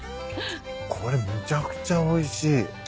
これめちゃくちゃおいしい。